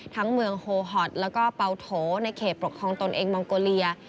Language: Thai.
ทั้งเมืองโฮฮอตแล้วก็เปาโถในเขตปกครองตนเองมองโกเลีย